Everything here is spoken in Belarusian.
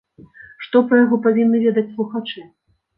Што пра яго павінны ведаць слухачы?